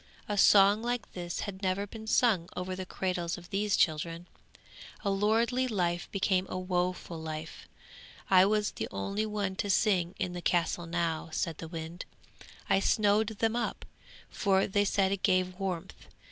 A song like this had never been sung over the cradles of these children. A lordly life became a woeful life! I was the only one to sing in the castle now,' said the wind. 'I snowed them up, for they said it gave warmth.